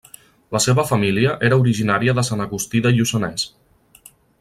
La seva família era originària de Sant Agustí de Lluçanès.